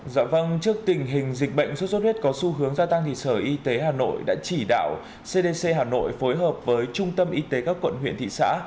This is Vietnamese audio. dạ vâng trước tình hình dịch bệnh sốt sốt huyết có xu hướng gia tăng thì sở y tế hà nội đã chỉ đạo cdc hà nội phối hợp với trung tâm y tế các quận huyện thị xã